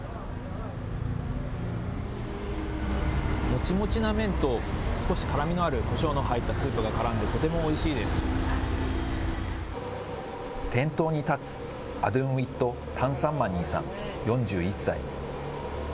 もちもちな麺と少し辛みのあるこしょうの入ったスープがから店頭に立つ、アドゥンウィット・タンサッマニーさん４１歳。